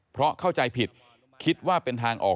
เพราะเข้าใจผิดคิดว่าเป็นทางออก